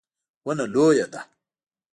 ونه لویه ده